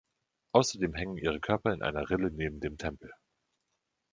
Außerdem hängen ihre Körper in einer Rille neben dem Tempel.